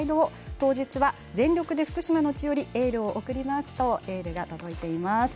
当日は、全力で福島の地よりエールを送りますとエールが届いています。